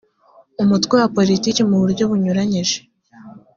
umutwe wa politiki mu buryo bunyuranije